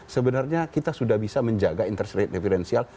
sebenarnya kita sudah bisa menjaga interest rate efidensial